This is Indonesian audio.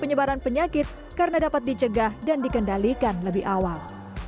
penyebaran penyakit karena dapat dicegah dan dikendalikan lebih awal